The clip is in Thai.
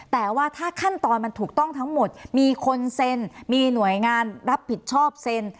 แต่ว่าถ้าขั้นตอนมันถูกต้องทั้งหมดมีคนเซ็นมีหน่วยงานรับผิดชอบเซ็น